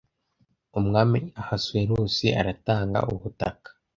umwami ahasuwerusi aratanga ubutaka